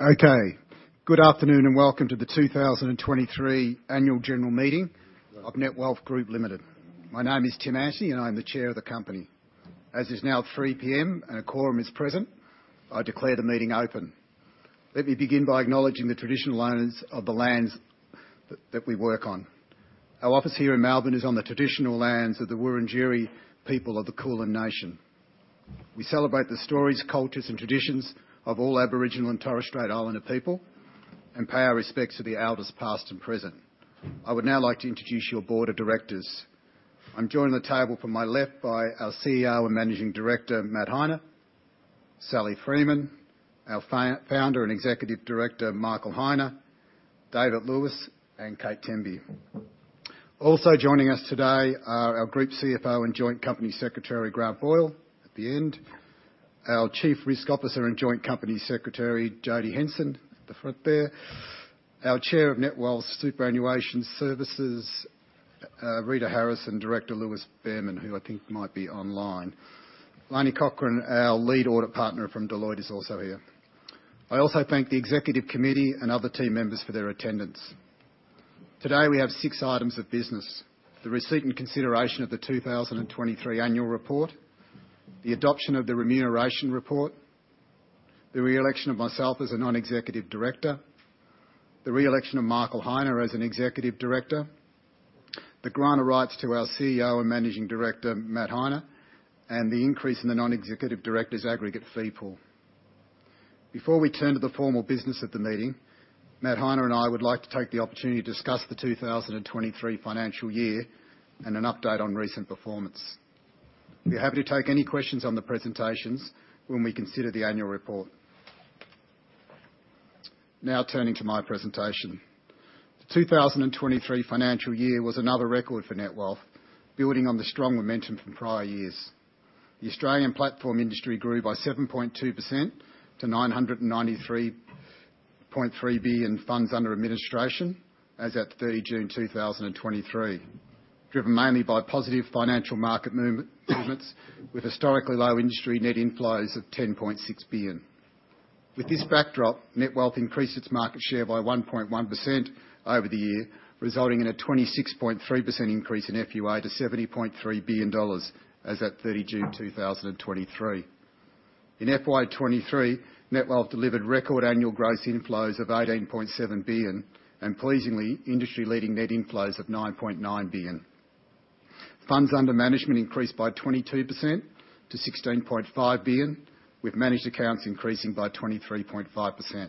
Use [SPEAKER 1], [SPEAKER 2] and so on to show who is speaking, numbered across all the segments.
[SPEAKER 1] Okay. Good afternoon, and welcome to the 2023 Annual General Meeting of Netwealth Group Limited. My name is Tim Antonie, and I'm the chair of the company. As it's now 3:00 P.M. and a quorum is present, I declare the meeting open. Let me begin by acknowledging the traditional owners of the lands that we work on. Our office here in Melbourne is on the traditional lands of the Wurundjeri people of the Kulin nation. We celebrate the stories, cultures, and traditions of all Aboriginal and Torres Strait Islander people and pay our respects to the elders, past and present. I would now like to introduce your board of directors. I'm joined at the table from my left by our CEO and Managing Director, Matt Heine; Sally Freeman; our founder and Executive Director, Michael Heine; Davyd Lewis; and Kate Temby. Also joining us today are our Group CFO and Joint Company Secretary, Grant Boyle, at the end, our Chief Risk Officer and Joint Company Secretary, Jodie Hinson, at the front there, our Chair of Netwealth Superannuation Services, Rita Harris, and Director Lewis Bearman, who I think might be online. Lani Cockrem, our Lead Audit Partner from Deloitte, is also here. I also thank the executive committee and other team members for their attendance. Today, we have six items of business: the receipt and consideration of the 2023 annual report, the adoption of the remuneration report, the re-election of myself as a non-executive director, the re-election of Michael Heine as an executive director, the grant of rights to our CEO and Managing Director, Matt Heine, and the increase in the non-executive directors' aggregate fee pool. Before we turn to the formal business of the meeting, Matt Heine and I would like to take the opportunity to discuss the 2023 financial year and an update on recent performance. We're happy to take any questions on the presentations when we consider the annual report. Now turning to my presentation. The 2023 financial year was another record for Netwealth, building on the strong momentum from prior years. The Australian platform industry grew by 7.2% to 993.3 billion funds under administration as at June 30 2023, driven mainly by positive financial market movement, with historically low industry net inflows of 10.6 billion. With this backdrop, Netwealth increased its market share by 1.1% over the year, resulting in a 26.3% increase in FUA to 70.3 billion dollars as at June 30 2023. In FY 2023, Netwealth delivered record annual gross inflows of AUD 18.7 billion and, pleasingly, industry-leading net inflows of AUD 9.9 billion. Funds under management increased by 22% to AUD 16.5 billion, with managed accounts increasing by 23.5%.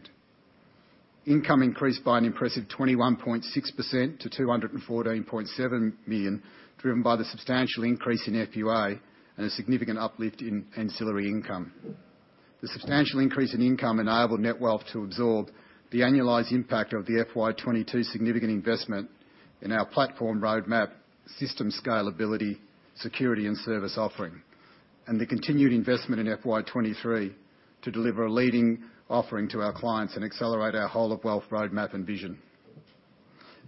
[SPEAKER 1] Income increased by an impressive 21.6% to 214.7 million, driven by the substantial increase in FUA and a significant uplift in ancillary income. The substantial increase in income enabled Netwealth to absorb the annualized impact of the FY 2022 significant investment in our platform roadmap, system scalability, security, and service offering, and the continued investment in FY 2023 to deliver a leading offering to our clients and accelerate our whole of wealth roadmap and vision.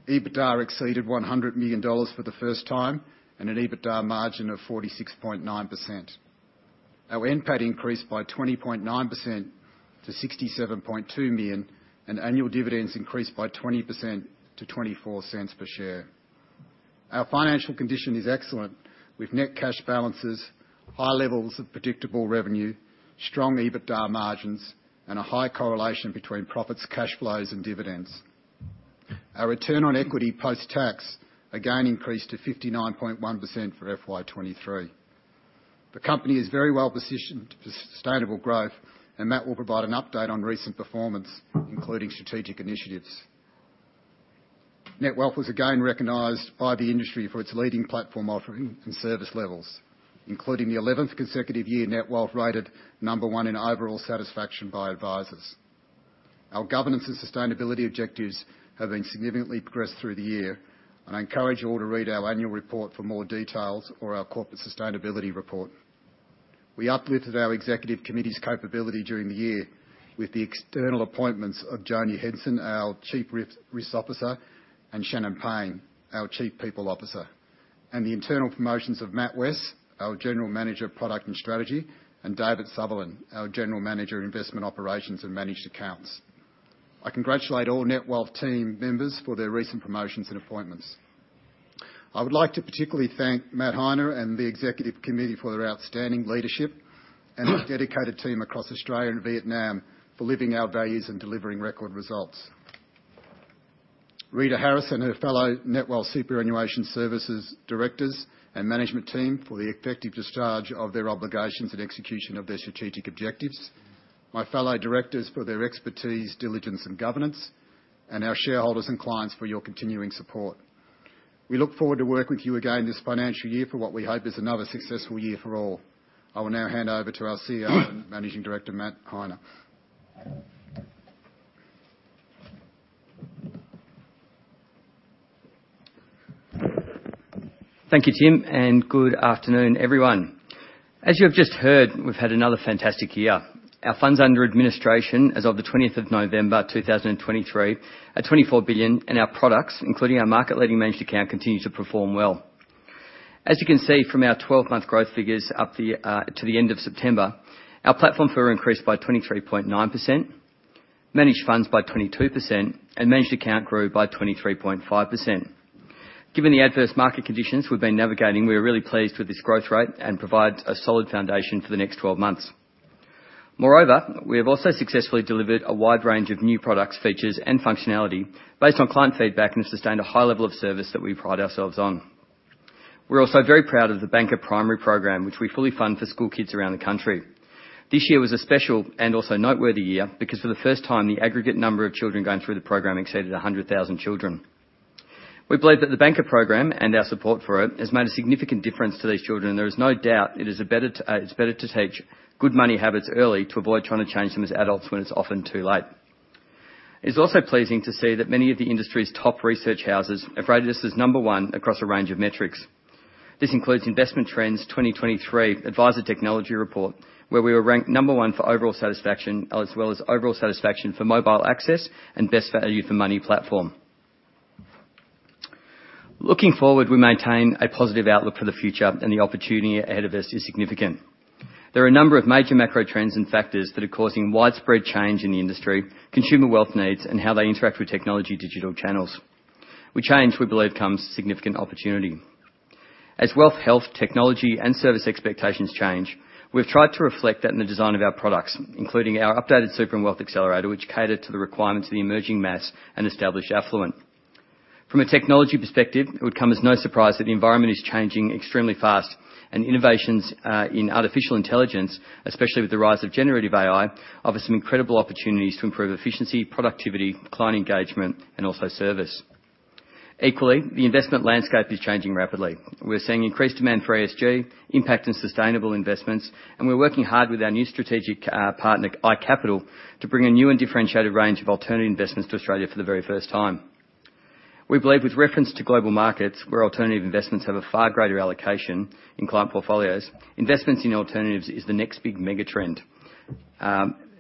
[SPEAKER 1] EBITDA exceeded 100 million dollars for the first time and an EBITDA margin of 46.9%. Our NPAT increased by 20.9% to 67.2 million, and annual dividends increased by 20% to 0.24 per share. Our financial condition is excellent, with net cash balances, high levels of predictable revenue, strong EBITDA margins, and a high correlation between profits, cash flows, and dividends. Our return on equity post-tax again increased to 59.1% for FY 2023. The company is very well positioned for sustainable growth, and Matt will provide an update on recent performance, including strategic initiatives. Netwealth was again recognized by the industry for its leading platform offering and service levels, including the eleventh consecutive year Netwealth rated number one in overall satisfaction by advisors. Our governance and sustainability objectives have been significantly progressed through the year, and I encourage you all to read our annual report for more details or our corporate sustainability report. We uplifted our executive committee's capability during the year with the external appointments of Jodie Hinson, our Chief Risk Officer, and Shannon Payne, our Chief People Officer, and the internal promotions of Matt West, our General Manager of Product and Strategy, and David Sutherland, our General Manager of Investment Operations and Managed Accounts. I congratulate all Netwealth team members for their recent promotions and appointments. I would like to particularly thank Matt Heine and the executive committee for their outstanding leadership, and their dedicated team across Australia and Vietnam for living our values and delivering record results. Rita Harris and her fellow Netwealth Superannuation Services directors and management team for the effective discharge of their obligations and execution of their strategic objectives, my fellow directors for their expertise, diligence, and governance, and our shareholders and clients for your continuing support. We look forward to working with you again this financial year for what we hope is another successful year for all. I will now hand over to our CEO and Managing Director, Matt Heine.
[SPEAKER 2] Thank you, Tim, and good afternoon, everyone. As you have just heard, we've had another fantastic year. Our funds under administration as of the November 20th 2023 are 24 billion, and our products, including our market-leading managed account, continue to perform well. As you can see from our 12-month growth figures up to the end of September, our platform fee increased by 23.9%, managed funds by 22%, and managed account grew by 23.5%. Given the adverse market conditions we've been navigating, we are really pleased with this growth rate, and provides a solid foundation for the next 12 months. Moreover, we have also successfully delivered a wide range of new products, features, and functionality based on client feedback, and have sustained a high level of service that we pride ourselves on. We're also very proud of the Banqer Primary program, which we fully fund for school kids around the country. This year was a special and also noteworthy year because for the first time, the aggregate number of children going through the program exceeded 100,000 children. We believe that the Banqer program, and our support for it, has made a significant difference to these children, and there is no doubt it's better to teach good money habits early to avoid trying to change them as adults when it's often too late. It's also pleasing to see that many of the industry's top research houses have rated us as number one across a range of metrics. This includes Investment Trends' 2023 Advisor Technology Report, where we were ranked number one for overall satisfaction, as well as overall satisfaction for mobile access and best value for money platform. Looking forward, we maintain a positive outlook for the future, and the opportunity ahead of us is significant. There are a number of major macro trends and factors that are causing widespread change in the industry, consumer wealth needs, and how they interact with technology digital channels. With change, we believe, comes significant opportunity. As wealth, health, technology, and service expectations change, we've tried to reflect that in the design of our products, including our updated Super and Wealth Accelerator, which cater to the requirements of the emerging mass and established affluent. From a technology perspective, it would come as no surprise that the environment is changing extremely fast, and innovations in artificial intelligence, especially with the rise of Generative AI, offer some incredible opportunities to improve efficiency, productivity, client engagement, and also service. Equally, the investment landscape is changing rapidly. We're seeing increased demand for ESG, impact and sustainable investments, and we're working hard with our new strategic partner, iCapital, to bring a new and differentiated range of alternative investments to Australia for the very first time. We believe, with reference to global markets, where alternative investments have a far greater allocation in client portfolios, investments in alternatives is the next big mega trend,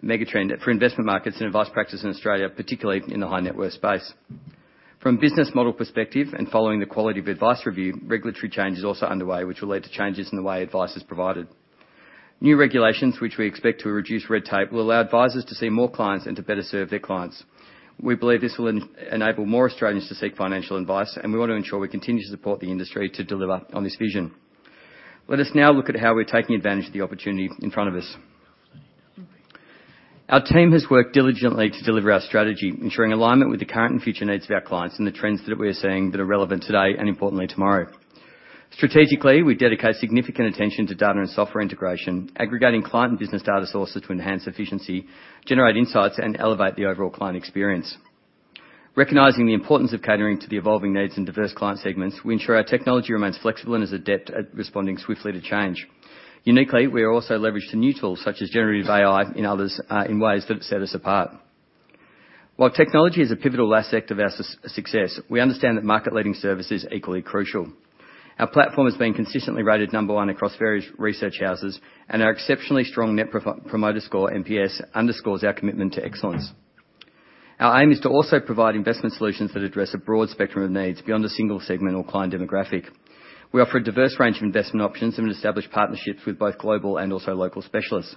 [SPEAKER 2] mega trend for investment markets and advice practices in Australia, particularly in the high-net-worth space. From business model perspective, and following the quality of advice review, regulatory change is also underway, which will lead to changes in the way advice is provided. New regulations, which we expect to reduce red tape, will allow advisors to see more clients and to better serve their clients. We believe this will enable more Australians to seek financial advice, and we want to ensure we continue to support the industry to deliver on this vision. Let us now look at how we're taking advantage of the opportunity in front of us. Our team has worked diligently to deliver our strategy, ensuring alignment with the current and future needs of our clients and the trends that we are seeing that are relevant today, and importantly, tomorrow. Strategically, we dedicate significant attention to data and software integration, aggregating client and business data sources to enhance efficiency, generate insights, and elevate the overall client experience. Recognizing the importance of catering to the evolving needs and diverse client segments, we ensure our technology remains flexible and is adept at responding swiftly to change. Uniquely, we are also leveraged to new tools, such as Generative AI, in ways that set us apart. While technology is a pivotal aspect of our success, we understand that market-leading service is equally crucial. Our platform has been consistently rated number one across various research houses, and our exceptionally strong Net Promoter Score, NPS, underscores our commitment to excellence. Our aim is to also provide investment solutions that address a broad spectrum of needs beyond a single segment or client demographic. We offer a diverse range of investment options and have established partnerships with both global and also local specialists.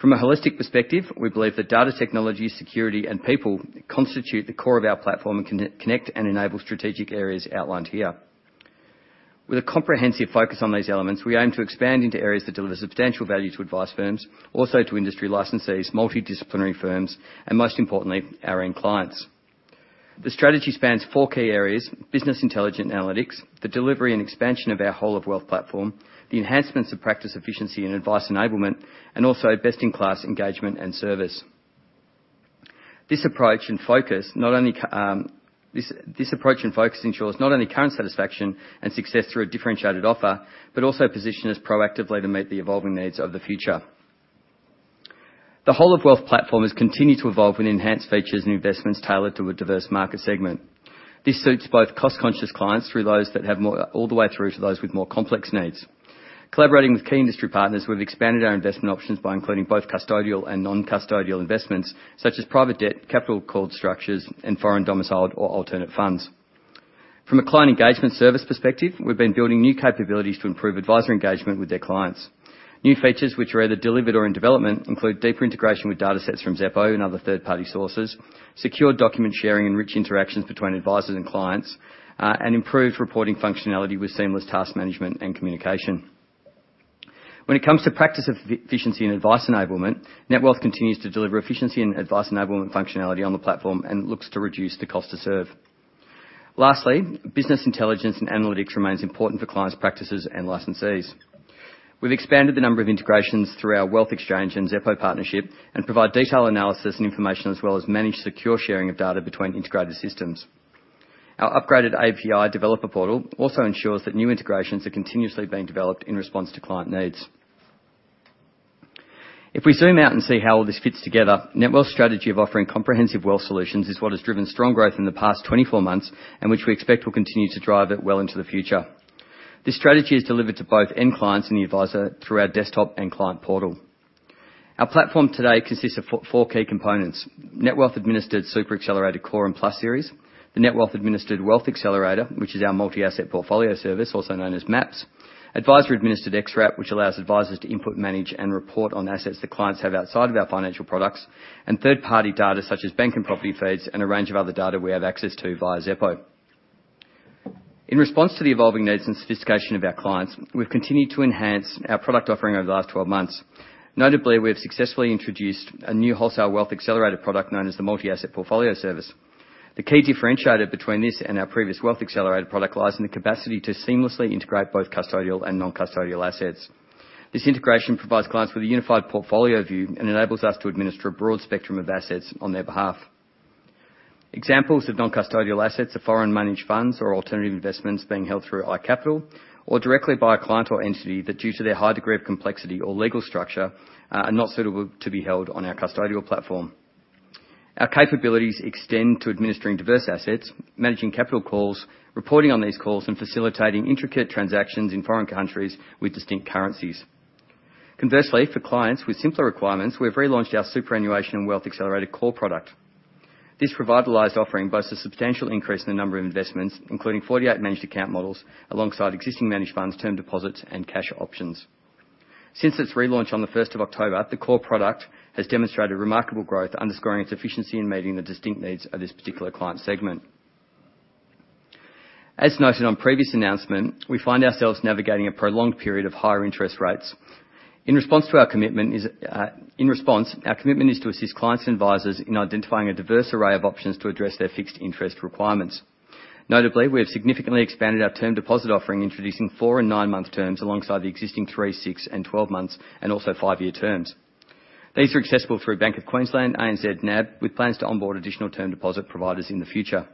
[SPEAKER 2] From a holistic perspective, we believe that data technology, security, and people constitute the core of our platform and connect and enable strategic areas outlined here. With a comprehensive focus on these elements, we aim to expand into areas that deliver substantial value to advice firms, also to industry licensees, multidisciplinary firms, and most importantly, our end clients. The strategy spans four key areas: business intelligence analytics, the delivery and expansion of our whole-of-wealth platform, the enhancements of practice efficiency and advice enablement, and also best-in-class engagement and service. This approach and focus ensures not only current satisfaction and success through a differentiated offer, but also position us proactively to meet the evolving needs of the future. The whole-of-wealth platform has continued to evolve with enhanced features and investments tailored to a diverse market segment. This suits both cost-conscious clients through those that have more, all the way through to those with more complex needs. Collaborating with key industry partners, we've expanded our investment options by including both custodial and non-custodial investments, such as private debt, capital-called structures, and foreign-domiciled or alternate funds. From a client engagement service perspective, we've been building new capabilities to improve advisor engagement with their clients. New features which are either delivered or in development include deeper integration with datasets from Xeppo and other third-party sources, secure document sharing and rich interactions between advisors and clients, and improved reporting functionality with seamless task management and communication. When it comes to practice efficiency and advice enablement, Netwealth continues to deliver efficiency and advice enablement functionality on the platform and looks to reduce the cost to serve. Lastly, business intelligence and analytics remains important for clients, practices, and licensees. We've expanded the number of integrations through our Wealth Exchange and Xeppo partnership, and provide detailed analysis and information, as well as managed secure sharing of data between integrated systems. Our upgraded API developer portal also ensures that new integrations are continuously being developed in response to client needs. If we zoom out and see how all this fits together, Netwealth's strategy of offering comprehensive wealth solutions is what has driven strong growth in the past 24 months, and which we expect will continue to drive it well into the future. This strategy is delivered to both end clients and the advisor through our desktop and client portal.... Our platform today consists of four key components: Netwealth-administered Super Accelerator Core and Plus series, the Netwealth-administered Wealth Accelerator, which is our Multi-Asset Portfolio Service, also known as MAPS, advisory-administered X wrap, which allows advisors to input, manage, and report on assets that clients have outside of our financial products, and third-party data such as bank and property feeds and a range of other data we have access to via Xeppo. In response to the evolving needs and sophistication of our clients, we've continued to enhance our product offering over the last 12 months. Notably, we have successfully introduced a new wholesale wealth accelerator product known as the Multi-Asset Portfolio Service. The key differentiator between this and our previous Wealth Accelerator product lies in the capacity to seamlessly integrate both custodial and non-custodial assets. This integration provides clients with a unified portfolio view and enables us to administer a broad spectrum of assets on their behalf. Examples of non-custodial assets are foreign managed funds or alternative investments being held through iCapital, or directly by a client or entity that, due to their high degree of complexity or legal structure, are not suitable to be held on our custodial platform. Our capabilities extend to administering diverse assets, managing capital calls, reporting on these calls, and facilitating intricate transactions in foreign countries with distinct currencies. Conversely, for clients with simpler requirements, we've relaunched our superannuation and Wealth Accelerator Core product. This revitalized offering boasts a substantial increase in the number of investments, including 48 managed account models, alongside existing managed funds, term deposits, and cash options. Since its relaunch on the first of October, the Core product has demonstrated remarkable growth, underscoring its efficiency in meeting the distinct needs of this particular client segment. As noted on previous announcement, we find ourselves navigating a prolonged period of higher interest rates. In response, our commitment is to assist clients and advisors in identifying a diverse array of options to address their fixed interest requirements. Notably, we have significantly expanded our term deposit offering, introducing five- and nine-month terms alongside the existing three-, six-, and 12-month terms, and also five-year terms. These are accessible through Bank of Queensland, ANZ, NAB, with plans to onboard additional term deposit providers in the future.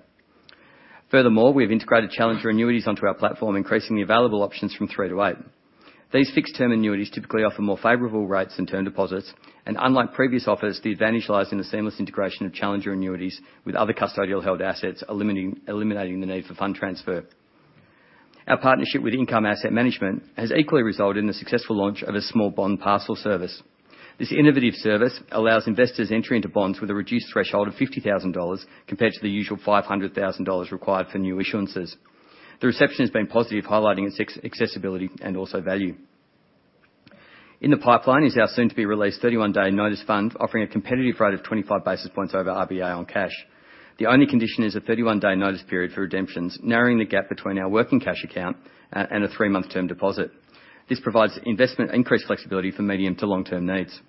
[SPEAKER 2] Furthermore, we have integrated Challenger Annuities onto our platform, increasing the available options from three to eight. These fixed-term annuities typically offer more favorable rates than term deposits, and unlike previous offers, the advantage lies in the seamless integration of Challenger Annuities with other custodial-held assets, eliminating the need for fund transfer. Our partnership with Income Asset Management has equally resulted in the successful launch of a small bond parcel service. This innovative service allows investors entry into bonds with a reduced threshold of 50,000 dollars, compared to the usual 500,000 dollars required for new issuances. The reception has been positive, highlighting its accessibility, and also value. In the pipeline is our soon-to-be-released 31-day notice fund, offering a competitive rate of 25 basis points over RBA on cash. The only condition is a 31-day notice period for redemptions, narrowing the gap between our working cash account and a three-month term deposit. This provides investment increased flexibility for medium to long-term needs.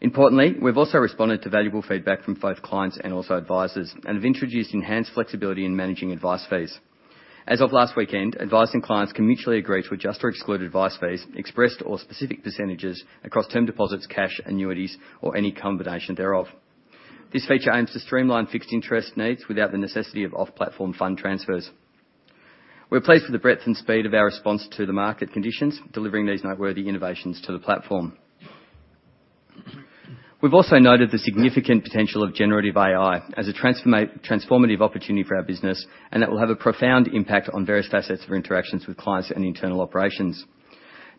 [SPEAKER 2] Importantly, we've also responded to valuable feedback from both clients and also advisors, and have introduced enhanced flexibility in managing advice fees. As of last weekend, advisors and clients can mutually agree to adjust or exclude advice fees, expressed or specific percentages across term deposits, cash, annuities, or any combination thereof. This feature aims to streamline fixed interest needs without the necessity of off-platform fund transfers. We're pleased with the breadth and speed of our response to the market conditions, delivering these noteworthy innovations to the platform. We've also noted the significant potential of Generative AI as a transformative opportunity for our business, and that will have a profound impact on various facets of interactions with clients and internal operations.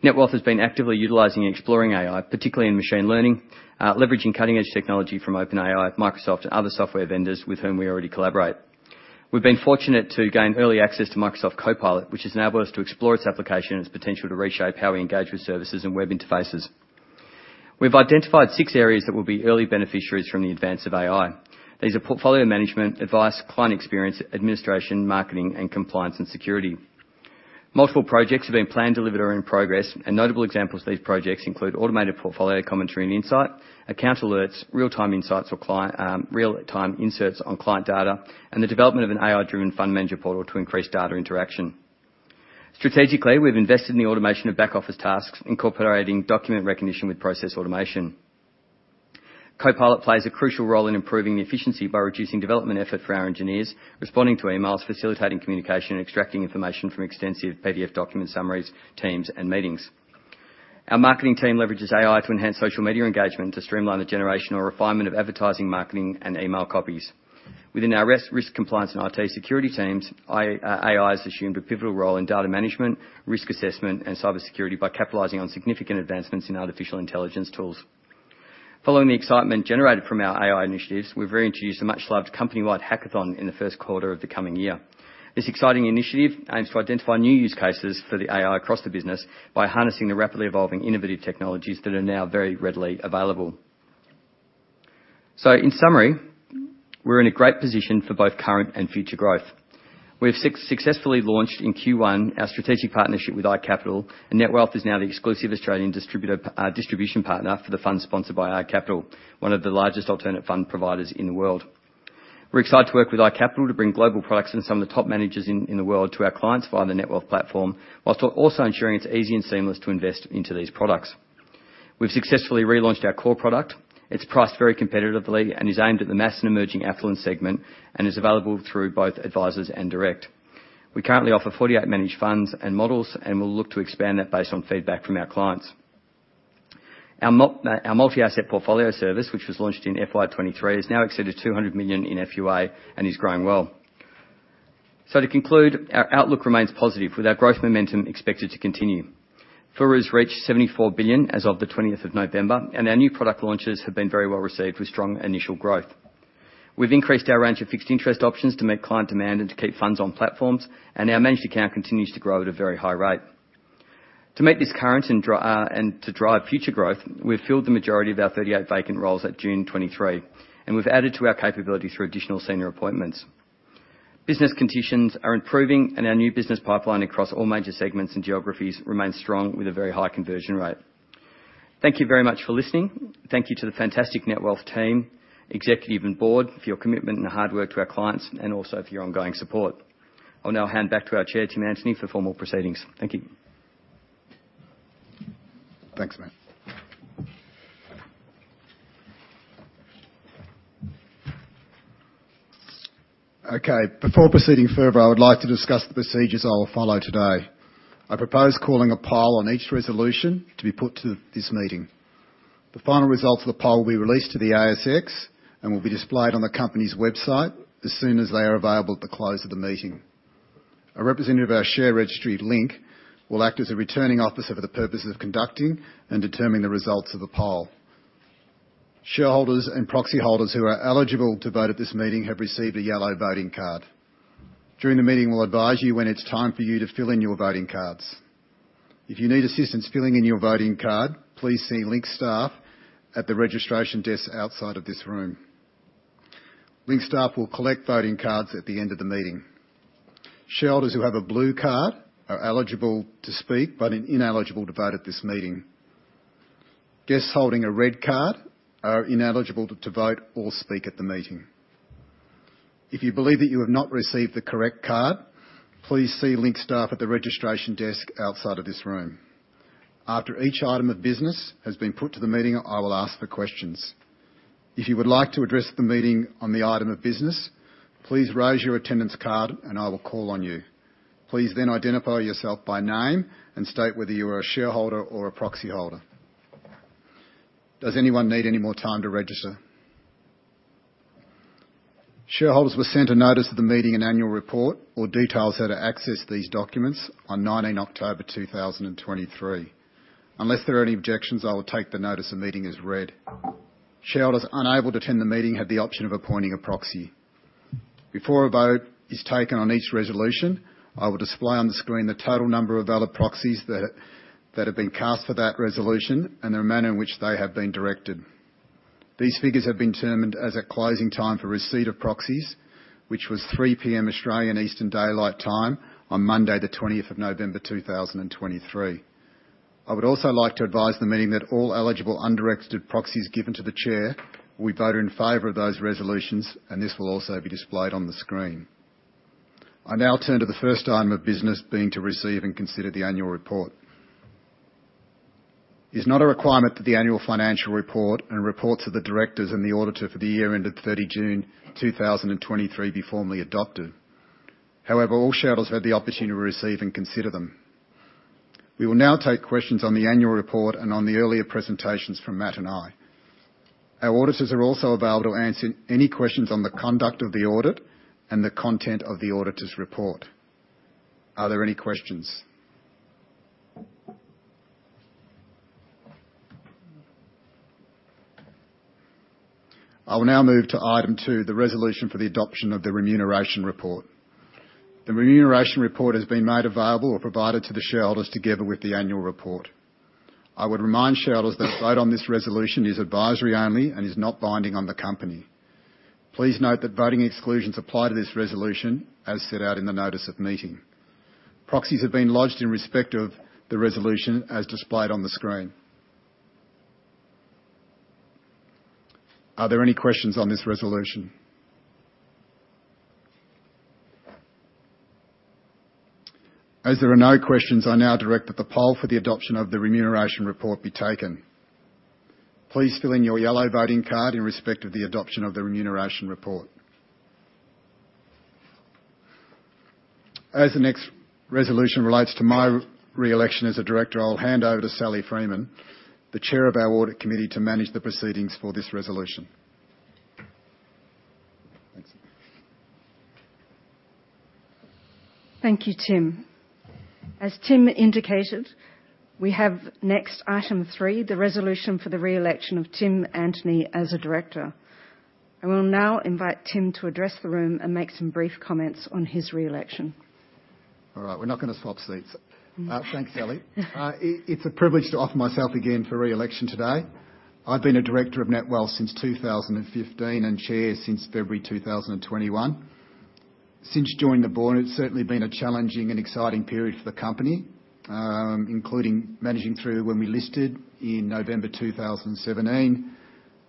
[SPEAKER 2] Netwealth has been actively utilizing and exploring AI, particularly in machine learning, leveraging cutting-edge technology from OpenAI, Microsoft, and other software vendors with whom we already collaborate. We've been fortunate to gain early access to Microsoft Copilot, which has enabled us to explore its application and its potential to reshape how we engage with services and web interfaces. We've identified six areas that will be early beneficiaries from the advance of AI. These are portfolio management, advice, client experience, administration, marketing, and compliance, and security. Multiple projects have been planned, delivered, or are in progress, and notable examples of these projects include automated portfolio commentary and insight, account alerts, real-time insights for client, real-time insights on client data, and the development of an AI-driven fund manager portal to increase data interaction. Strategically, we've invested in the automation of back-office tasks, incorporating document recognition with process automation. Copilot plays a crucial role in improving the efficiency by reducing development effort for our engineers, responding to emails, facilitating communication, and extracting information from extensive PDF document summaries, teams, and meetings. Our marketing team leverages AI to enhance social media engagement, to streamline the generation or refinement of advertising, marketing, and email copies. Within our risk compliance and IT security teams, AI has assumed a pivotal role in data management, risk assessment, and cybersecurity by capitalizing on significant advancements in artificial intelligence tools. Following the excitement generated from our AI initiatives, we've reintroduced a much-loved company-wide hackathon in the first quarter of the coming year. This exciting initiative aims to identify new use cases for the AI across the business by harnessing the rapidly evolving innovative technologies that are now very readily available. In summary, we're in a great position for both current and future growth. We have successfully launched in Q1 our strategic partnership with iCapital, and Netwealth is now the exclusive Australian distributor, distribution partner for the fund sponsored by iCapital, one of the largest alternative fund providers in the world. We're excited to work with iCapital to bring global products and some of the top managers in the world to our clients via the Netwealth platform, whilst also ensuring it's easy and seamless to invest into these products. We've successfully relaunched our Core product. It's priced very competitively and is aimed at the mass and emerging affluent segment, and is available through both advisors and direct. We currently offer 48 managed funds and models, and we'll look to expand that based on feedback from our clients. Our multi-asset portfolio service, which was launched in FY 2023, has now exceeded 200 million in FUA and is growing well... So to conclude, our outlook remains positive, with our growth momentum expected to continue. FUMs reached AUD 74 billion as of the 20th of November, and our new product launches have been very well received, with strong initial growth. We've increased our range of fixed interest options to meet client demand and to keep funds on platforms, and our managed account continues to grow at a very high rate. To meet this current and and to drive future growth, we've filled the majority of our 38 vacant roles at June 2023, and we've added to our capability through additional senior appointments. Business conditions are improving, and our new business pipeline across all major segments and geographies remains strong, with a very high conversion rate. Thank you very much for listening. Thank you to the fantastic Netwealth team, executive, and board for your commitment and hard work to our clients, and also for your ongoing support. I'll now hand back to our Chair, Tim Antonie, for formal proceedings. Thank you.
[SPEAKER 1] Thanks, Matt. Okay, before proceeding further, I would like to discuss the procedures I will follow today. I propose calling a poll on each resolution to be put to this meeting. The final results of the poll will be released to the ASX and will be displayed on the company's website as soon as they are available at the close of the meeting. A representative of our share registry, Link, will act as a returning officer for the purposes of conducting and determining the results of the poll. Shareholders and proxy holders who are eligible to vote at this meeting have received a yellow voting card. During the meeting, we'll advise you when it's time for you to fill in your voting cards. If you need assistance filling in your voting card, please see Link staff at the registration desk outside of this room. Link staff will collect voting cards at the end of the meeting. Shareholders who have a blue card are eligible to speak, but ineligible to vote at this meeting. Guests holding a red card are ineligible to vote or speak at the meeting. If you believe that you have not received the correct card, please see Link staff at the registration desk outside of this room. After each item of business has been put to the meeting, I will ask for questions. If you would like to address the meeting on the item of business, please raise your attendance card, and I will call on you. Please then identify yourself by name and state whether you are a shareholder or a proxy holder. Does anyone need any more time to register? Shareholders were sent a notice of the meeting and annual report or details how to access these documents on October 19 2023. Unless there are any objections, I will take the notice the meeting is read. Shareholders unable to attend the meeting have the option of appointing a proxy. Before a vote is taken on each resolution, I will display on the screen the total number of valid proxies that have been cast for that resolution and the manner in which they have been directed. These figures have been determined as a closing time for receipt of proxies, which was 3 P.M. Australian Eastern Daylight Time on Monday, the November 20th 2023. I would also like to advise the meeting that all eligible undirected proxies given to the Chair will be voted in favor of those resolutions, and this will also be displayed on the screen. I now turn to the first item of business, being to receive and consider the annual report. It's not a requirement that the annual financial report and reports of the directors and the auditor for the year ended June 30 2023 be formally adopted. However, all shareholders had the opportunity to receive and consider them. We will now take questions on the annual report and on the earlier presentations from Matt and I. Our auditors are also available to answer any questions on the conduct of the audit and the content of the auditor's report. Are there any questions? I will now move to item two, the resolution for the adoption of the remuneration report. The remuneration report has been made available or provided to the shareholders together with the annual report. I would remind shareholders that vote on this resolution is advisory only and is not binding on the company. Please note that voting exclusions apply to this resolution as set out in the notice of meeting. Proxies have been lodged in respect of the resolution as displayed on the screen. Are there any questions on this resolution? As there are no questions, I now direct that the poll for the adoption of the remuneration report be taken. Please fill in your yellow voting card in respect of the adoption of the remuneration report. As the next resolution relates to my re-election as a director, I'll hand over to Sally Freeman, the chair of our audit committee, to manage the proceedings for this resolution. Thanks.
[SPEAKER 3] Thank you, Tim. As Tim indicated, we have next item three, the resolution for the re-election of Tim Antonie as a director. I will now invite Tim to address the room and make some brief comments on his re-election.
[SPEAKER 1] All right, we're not gonna swap seats. Thanks, Sally. It's a privilege to offer myself again for re-election today. I've been a director of Netwealth since 2015 and chair since February 2021. Since joining the board, it's certainly been a challenging and exciting period for the company, including managing through when we listed in November 2017,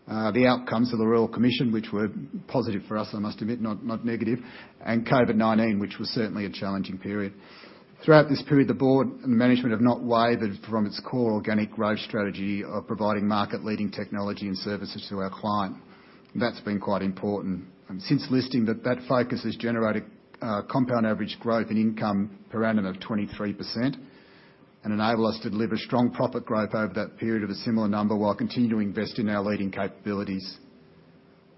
[SPEAKER 1] the outcomes of the Royal Commission, which were positive for us, I must admit, not negative, and COVID-19, which was certainly a challenging period. Throughout this period, the board and the management have not wavered from its core organic growth strategy of providing market-leading technology and services to our client. That's been quite important, and since listing that, that focus has generated compound average growth and income per annum of 23% and enabled us to deliver strong profit growth over that period of a similar number, while continuing to invest in our leading capabilities....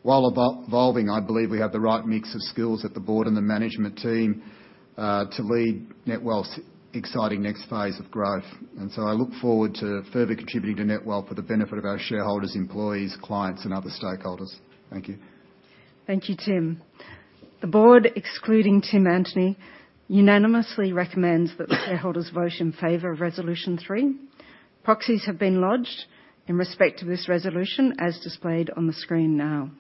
[SPEAKER 1] While evolving, I believe we have the right mix of skills at the board and the management team to lead Netwealth's exciting next phase of growth. And so I look forward to further contributing to Netwealth for the benefit of our shareholders, employees, clients, and other stakeholders. Thank you.
[SPEAKER 3] Thank you, Tim. The board, excluding Tim Antonie, unanimously recommends that the shareholders vote in favor of Resolution Three. Proxies have been lodged in respect to this resolution, as displayed on the screen now.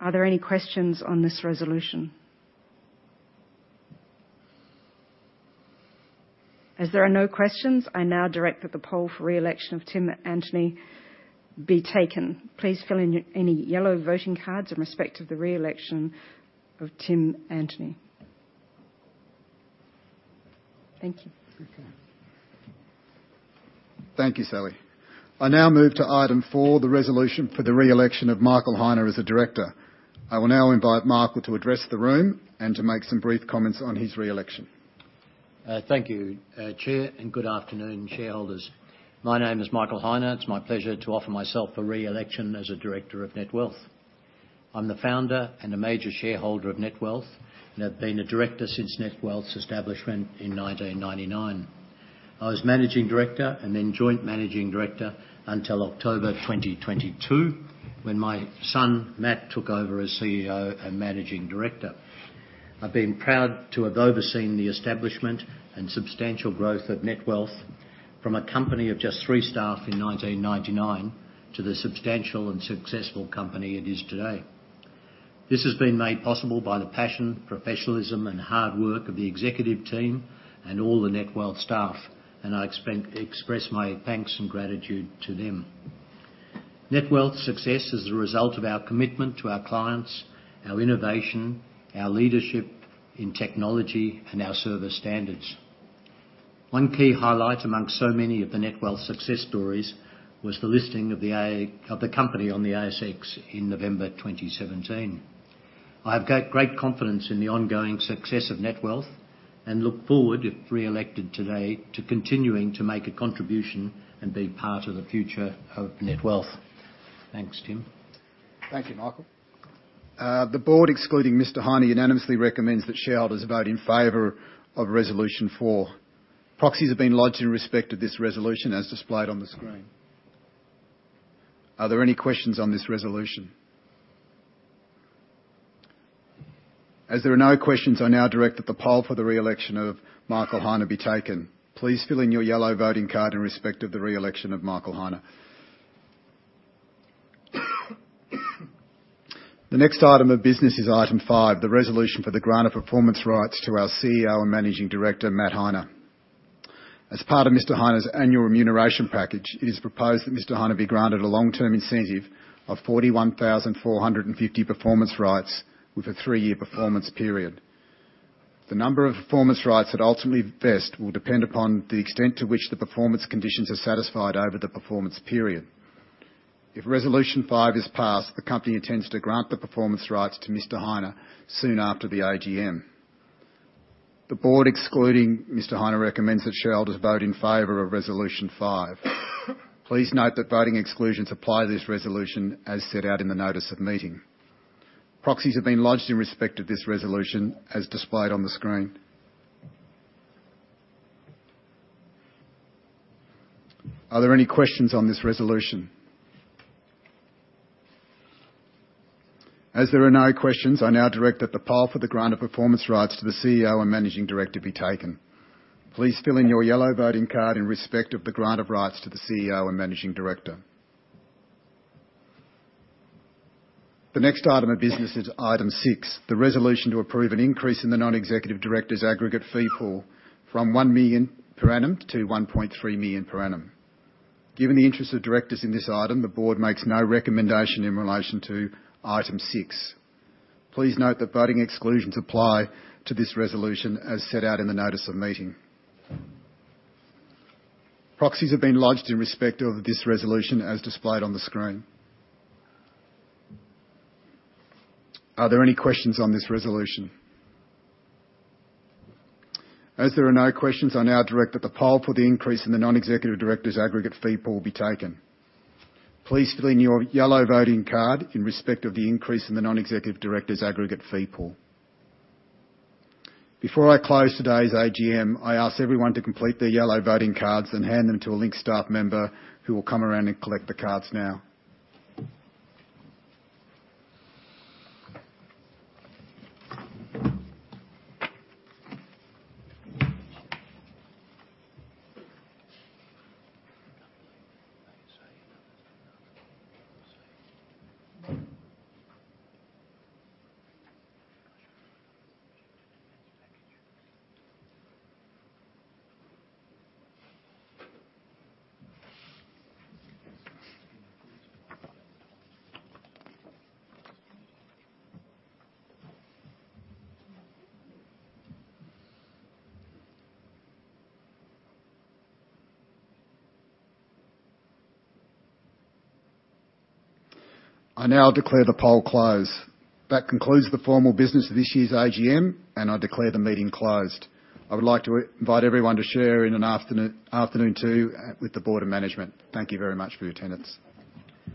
[SPEAKER 3] Are there any questions on this resolution? As there are no questions, I now direct that the poll for re-election of Tim Antonie be taken. Please fill in any yellow voting cards in respect to the re-election of Tim Antonie. Thank you.
[SPEAKER 1] Okay. Thank you, Sally. I now move to Item Four, the resolution for the re-election of Michael Heine as a director. I will now invite Michael to address the room and to make some brief comments on his re-election.
[SPEAKER 4] Thank you, Chair, and good afternoon, shareholders. My name is Michael Heine. It's my pleasure to offer myself for re-election as a director of Netwealth. I'm the founder and a major shareholder of Netwealth and have been a director since Netwealth's establishment in 1999. I was managing director and then joint managing director until October 2022, when my son, Matt, took over as CEO and Managing Director. I've been proud to have overseen the establishment and substantial growth of Netwealth from a company of just three staff in 1999 to the substantial and successful company it is today. This has been made possible by the passion, professionalism, and hard work of the executive team and all the Netwealth staff, and I express my thanks and gratitude to them. Netwealth's success is the result of our commitment to our clients, our innovation, our leadership in technology, and our service standards. One key highlight among so many of the Netwealth success stories was the ASX listing of the company on the ASX in November 2017. I have got great confidence in the ongoing success of Netwealth and look forward, if re-elected today, to continuing to make a contribution and be part of the future of Netwealth. Thanks, Tim.
[SPEAKER 1] Thank you, Michael. The board, excluding Mr. Heine, unanimously recommends that shareholders vote in favor of Resolution Four. Proxies have been lodged in respect to this resolution, as displayed on the screen. Are there any questions on this resolution? As there are no questions, I now direct that the poll for the re-election of Michael Heine be taken. Please fill in your yellow voting card in respect of the re-election of Michael Heine. The next item of business is Item Five, the resolution for the grant of performance rights to our CEO and Managing Director, Matt Heine. As part of Mr. Heine's annual remuneration package, it is proposed that Mr. Heine be granted a long-term incentive of 41,450 performance rights with a three-year performance period. The number of performance rights that ultimately vest will depend upon the extent to which the performance conditions are satisfied over the performance period. If Resolution Five is passed, the company intends to grant the performance rights to Mr. Heine soon after the AGM. The board, excluding Mr. Heine, recommends that shareholders vote in favor of Resolution Five. Please note that voting exclusions apply to this resolution as set out in the Notice of Meeting. Proxies have been lodged in respect of this resolution, as displayed on the screen. Are there any questions on this resolution? As there are no questions, I now direct that the poll for the grant of performance rights to the CEO and managing director be taken. Please fill in your yellow voting card in respect of the grant of rights to the CEO and managing director. The next item of business is Item Six: the resolution to approve an increase in the non-executive directors' aggregate fee pool from 1 million per annum to 1.3 million per annum. Given the interest of directors in this item, the board makes no recommendation in relation to Item Six. Please note that voting exclusions apply to this resolution, as set out in the Notice of Meeting. Proxies have been lodged in respect of this resolution, as displayed on the screen. Are there any questions on this resolution? As there are no questions, I now direct that the poll for the increase in the non-executive directors' aggregate fee pool be taken. Please fill in your yellow voting card in respect of the increase in the non-executive directors' aggregate fee pool. Before I close today's AGM, I ask everyone to complete their yellow voting cards and hand them to a Link staff member, who will come around and collect the cards now. I now declare the poll closed. That concludes the formal business of this year's AGM, and I declare the meeting closed. I would like to invite everyone to share in an afternoon tea with the board of management. Thank you very much for your attendance.